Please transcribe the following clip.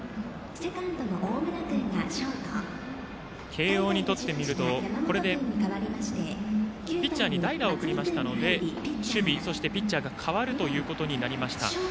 慶応にとってみるとピッチャーに代打を送ったので守備、ピッチャーが代わるということになりました。